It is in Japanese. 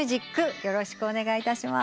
よろしくお願いします。